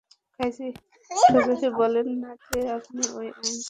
সোজাসুজি বলেন না যে আপনি এই আইন সম্পর্কে কিছু করবেন না?